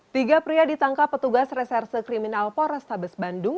tiga pria ditangkap petugas reserse kriminal polrestabes bandung